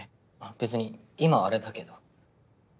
別に今はあれだけど。